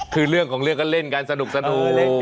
คือเรื่องของเรื่องก็เล่นกันสนุกสนุกเล่นกัน